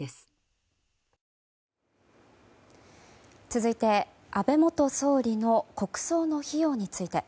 続いて、安倍元総理の国葬の費用について。